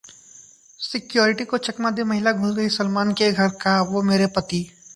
security को चकमा दे महिला घुस गई सलमान के घर, कहा- वो मेरे पति